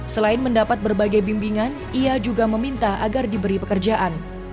selain mendapat berbagai bimbingan ia juga meminta agar diberi pekerjaan